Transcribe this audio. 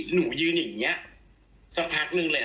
หนูยืนอย่างนี้สักพักนึงเลย